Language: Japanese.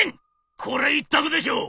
これ一択でしょう！」。